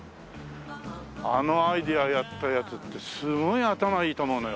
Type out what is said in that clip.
あのアイデアやったヤツってすごい頭いいと思うのよ。